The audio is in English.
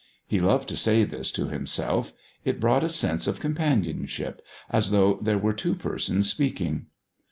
He loved to say this to himself; it brought a sense of companionship, as though there were two persons speaking.